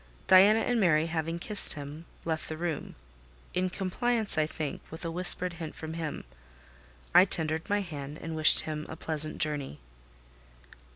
Diana and Mary having kissed him, left the room—in compliance, I think, with a whispered hint from him: I tendered my hand, and wished him a pleasant journey.